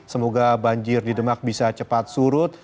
semoga banjir di demak bisa cepat surut